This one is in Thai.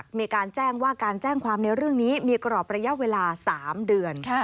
กดประยาบเวลา๓เดือนค่ะ